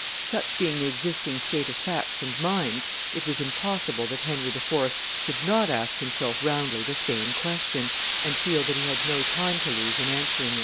] Such being the existing state of facts and minds, it was impossible that Henry IV. should not ask himself roundly the same question, and feel that he had no time to lose in answering it.